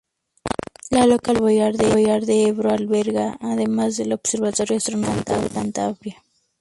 La localidad de Rebollar de Ebro, alberga, además el Observatorio Astronómico de Cantabria.